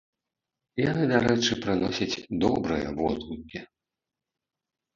Яны, дарэчы, прыносяць добрыя водгукі.